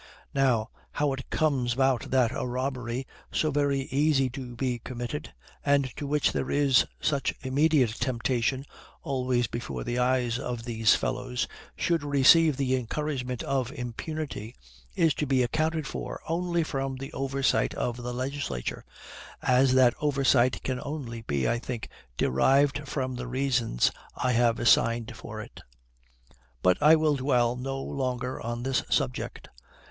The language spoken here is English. Now, how it comes about that a robbery so very easy to be committed, and to which there is such immediate temptation always before the eyes of these fellows, should receive the encouragement of impunity, is to be accounted for only from the oversight of the legislature, as that oversight can only be, I think, derived from the reasons I have assigned for it. But I will dwell no longer on this subject.